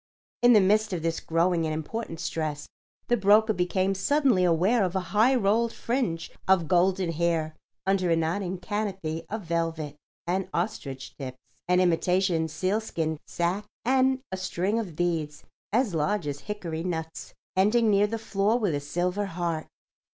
In the midst of this growing and important stress the broker became suddenly aware of a high rolled fringe of golden hair under a nodding canopy of velvet and ostrich tips, an imitation sealskin sacque and a string of beads as large as hickory nuts, ending near the floor with a silver heart.